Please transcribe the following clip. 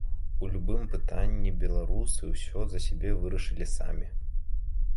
У любым пытанні беларусы ўсё за сябе вырашалі самі.